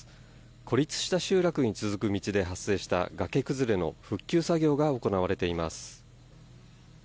孤立した集落に続く道で発生した崖崩れの復旧作業が行われています。